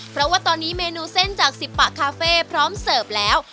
เพราะว่าตอนนี้เมนูเส้นจากสิบปะคาเฟ่พร้อมเสิร์ฟแล้ว